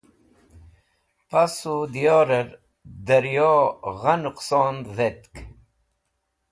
pasu dyor dẽryo gha nuqson detk